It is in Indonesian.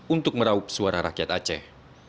untuk meraup suara rakyat aceh